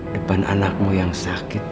depan anakmu yang sakit